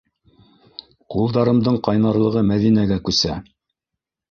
Ҡулдарымдың ҡайнарлығы Мәҙинәгә күсә!